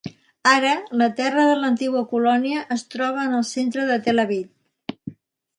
Ara, la terra de l'antiga colònia es troba en el centre de Tel Aviv.